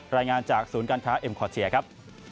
รายงานจากศูนย์การค้าเอ็มคอร์เชียร์ครับ